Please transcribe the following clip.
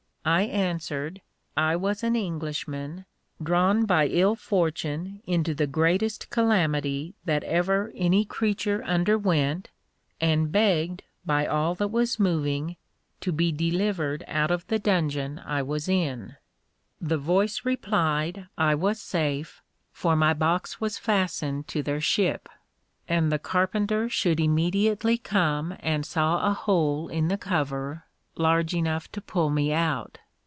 I answered, I was an Englishman, drawn by ill fortune into the greatest calamity that ever any creature underwent, and begged, by all that was moving, to be delivered out of the dungeon I was in. The voice replied, I was safe, for my box was fastened to their ship; and the carpenter should immediately come and saw a hole in the cover, large enough to pull me out.